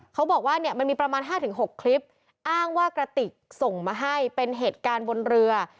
เขาบอกว่าเนี่ยมันมีประมาณ๕๖คลิปอ้างว่ากระติกส่งมาให้เป็นเหตุการณ์บนเรือ